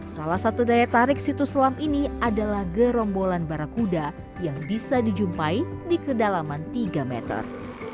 salah satu daya tarik situs selam ini adalah gerombolan barakuda yang bisa dijumpai di kedalaman tiga meter